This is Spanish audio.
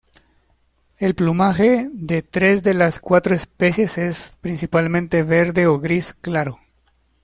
El plumaje de tres de las cuatro especies es principalmente verde o gris claro.